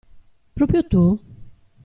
Proprio tu?